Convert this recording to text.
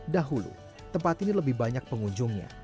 dahulu tempat ini lebih banyak pengunjungnya